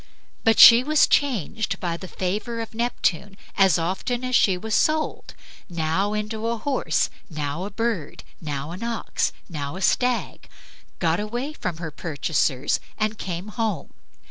But she was changed by the favor of Neptune as often as she was sold, now into a horse, now a bird, now an ox, and now a stag, got away from her purchasers and came home.